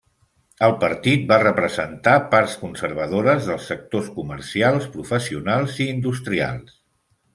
El partit va representar parts conservadores dels sectors comercials, professionals i industrials.